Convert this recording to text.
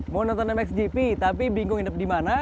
mau nonton mxgp tapi bingung nginep di mana